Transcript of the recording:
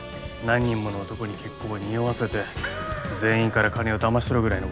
何人もの男に結婚を匂わせて全員から金をだまし取るぐらいのことしないと。